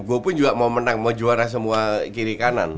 gue pun juga mau menang mau juara semua kiri kanan